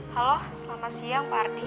halo selamat siang pak ardi